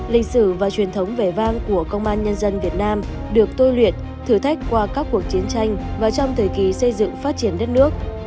lịch sử và truyền thống vẻ vang của công an nhân dân việt nam được tôi luyện thử thách qua các cuộc chiến tranh và trong thời kỳ xây dựng phát triển đất nước